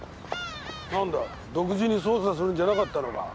何だ独自に捜査するんじゃなかったのか？